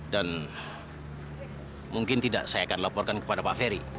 dan mungkin tidak saya akan laporkan kepada pak ferry